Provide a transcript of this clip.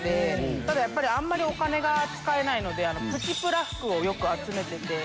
ただあんまりお金が使えないのでプチプラ服をよく集めてて。